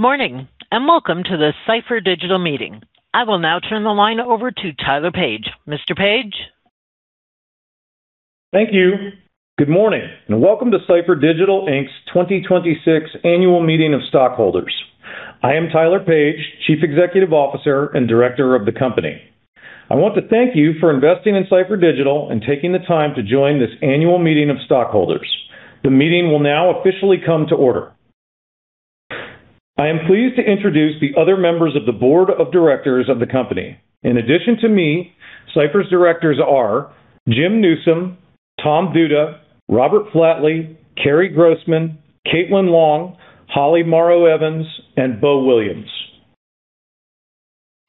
Good morning, and welcome to the Cipher Digital meeting. I will now turn the line over to Tyler Page. Mr. Page? Thank you. Good morning, welcome to Cipher Digital Inc's 2026 annual meeting of stockholders. I am Tyler Page, Chief Executive Officer and Director of the company. I want to thank you for investing in Cipher Digital and taking the time to join this annual meeting of stockholders. The meeting will now officially come to order. I am pleased to introduce the other members of the Board of Directors of the company. In addition to me, Cipher's Directors are Jim Newsome, Tom Duda, Robert Flatley, Cary Grossman, Caitlin Long, Holly Morrow Evans, and Bo Williams.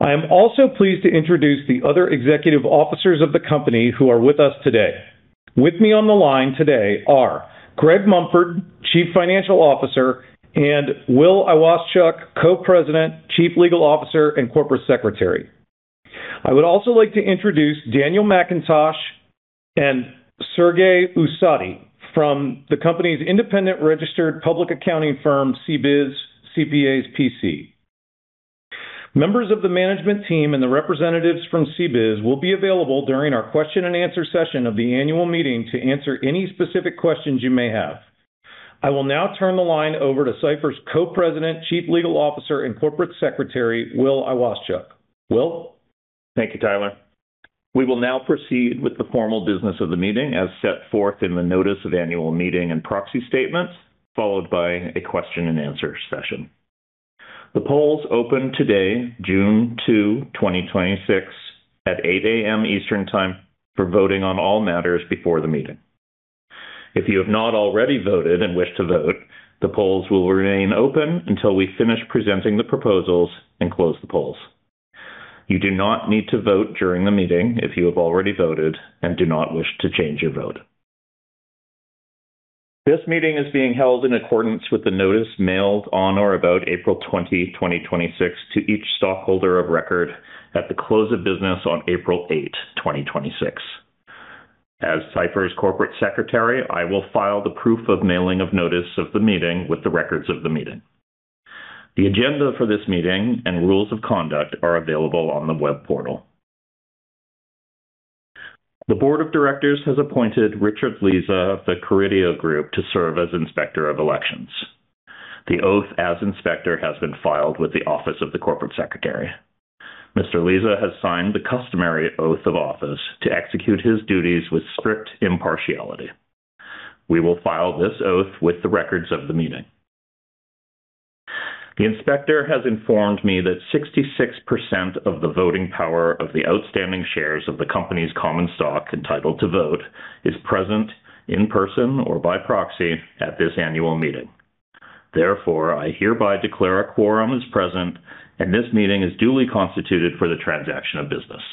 I am also pleased to introduce the other Executive Officers of the company who are with us today. With me on the line today are Greg Mumford, Chief Financial Officer, and Will Iwaschuk, Co-President, Chief Legal Officer, and Corporate Secretary. I would also like to introduce Daniel McIntosh and [Sergei Usati] from the company's independent registered public accounting firm, CBIZ CPAs P.C. Members of the management team and the representatives from CBIZ will be available during our question and answer session of the annual meeting to answer any specific questions you may have. I will now turn the line over to Cipher's Co-President, Chief Legal Officer, and Corporate Secretary, Will Iwaschuk. Will? Thank you, Tyler. We will now proceed with the formal business of the meeting as set forth in the notice of annual meeting and proxy statements, followed by a question and answer session. The polls opened today, June 2, 2026, at 8:00 A.M. Eastern Time for voting on all matters before the meeting. If you have not already voted and wish to vote, the polls will remain open until we finish presenting the proposals and close the polls. You do not need to vote during the meeting if you have already voted and do not wish to change your vote. This meeting is being held in accordance with the notice mailed on or about April 20, 2026, to each stockholder of record at the close of business on April 8, 2026. As Cipher's Corporate Secretary, I will file the proof of mailing of notice of the meeting with the records of the meeting. The agenda for this meeting and rules of conduct are available on the web portal. The Board of Directors has appointed Richard Leza of the Carideo Group to serve as Inspector of Elections. The oath as Inspector has been filed with the Office of the Corporate Secretary. Mr. Leza has signed the customary oath of office to execute his duties with strict impartiality. We will file this oath with the records of the meeting. The Inspector has informed me that 66% of the voting power of the outstanding shares of the company's common stock entitled to vote is present in person or by proxy at this annual meeting. Therefore, I hereby declare a quorum is present, and this meeting is duly constituted for the transaction of business.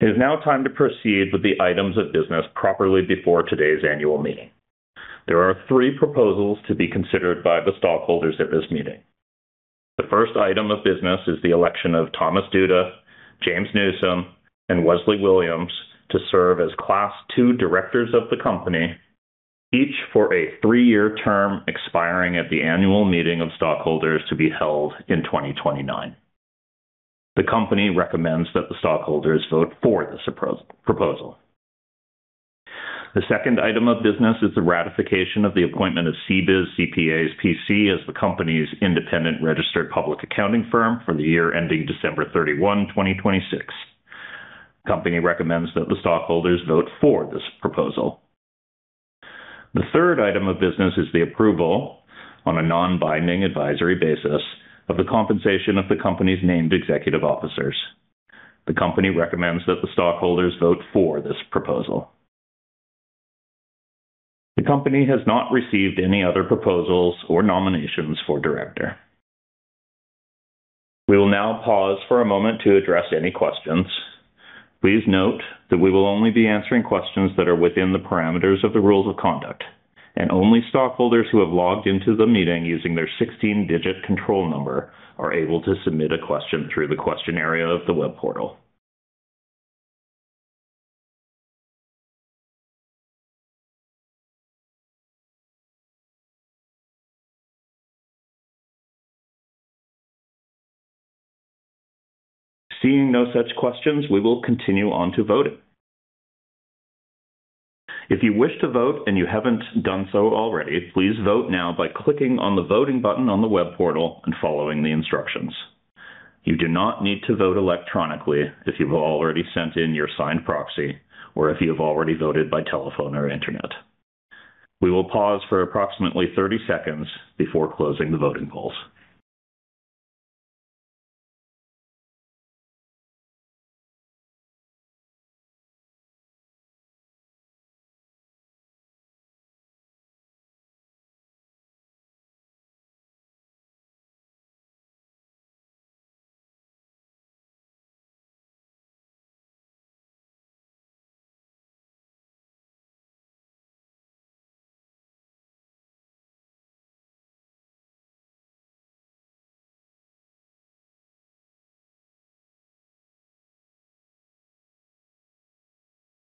It is now time to proceed with the items of business properly before today's annual meeting. There are three proposals to be considered by the stockholders at this meeting. The first item of business is the election of Thomas Duda, James Newsome, and Wesley Williams to serve as Class II Directors of the company, each for a three-year term expiring at the annual meeting of stockholders to be held in 2029. The company recommends that the stockholders vote for this proposal. The second item of business is the ratification of the appointment of CBIZ CPAs P.C. as the company's independent registered public accounting firm for the year ending December 31, 2026. Company recommends that the stockholders vote for this proposal. The third item of business is the approval on a non-binding advisory basis of the compensation of the company's named Executive Officers. The company recommends that the stockholders vote for this proposal. The company has not received any other proposals or nominations for Director. We will now pause for a moment to address any questions. Please note that we will only be answering questions that are within the parameters of the rules of conduct, and only stockholders who have logged into the meeting using their 16-digit control number are able to submit a question through the question area of the web portal. Seeing no such questions, we will continue on to voting. If you wish to vote and you haven't done so already, please vote now by clicking on the voting button on the web portal and following the instructions. You do not need to vote electronically if you've already sent in your signed proxy or if you've already voted by telephone or internet. We will pause for approximately 30 seconds before closing the voting polls.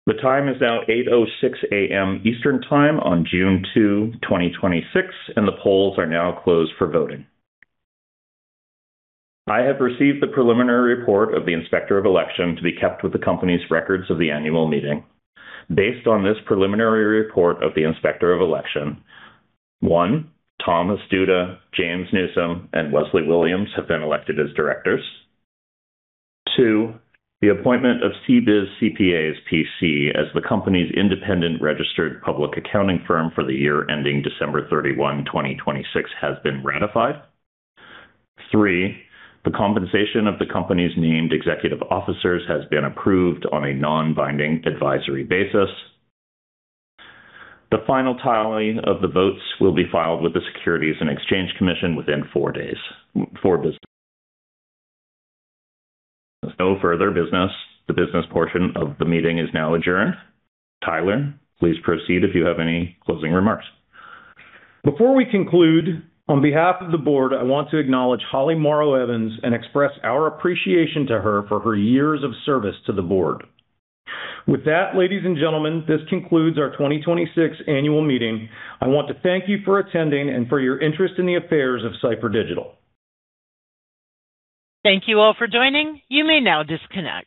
The time is now 8:06 A.M. Eastern Time on June 2, 2026, and the polls are now closed for voting. I have received the preliminary report of the Inspector of Election to be kept with the company's records of the annual meeting. Based on this preliminary report of the Inspector of Election, one, Thomas Duda, James Newsome, and Wesley Williams have been elected as Directors. Two, the appointment of CBIZ CPAs P.C. as the company's independent registered public accounting firm for the year ending December 31, 2026, has been ratified. Three, the compensation of the company's named Executive Officers has been approved on a non-binding advisory basis. The final tally of the votes will be filed with the Securities and Exchange Commission within four business days. If there's no further business, the business portion of the meeting is now adjourned. Tyler, please proceed if you have any closing remarks. Before we conclude, on behalf of the Board, I want to acknowledge Holly Morrow Evans and express our appreciation to her for her years of service to the board. With that, ladies and gentlemen, this concludes our 2026 annual meeting. I want to thank you for attending and for your interest in the affairs of Cipher Digital. Thank you all for joining. You may now disconnect.